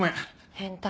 変態。